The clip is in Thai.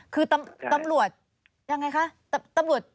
คือตำรวจทำอย่างไรคะ